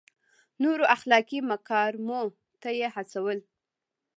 نورو اخلاقي مکارمو ته یې هڅول.